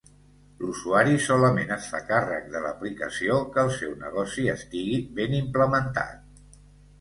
L'usuari solament es fa càrrec de l'aplicació, que el seu negoci estigui ben implementat.